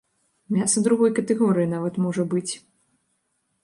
Мяса другой катэгорыі нават можа быць.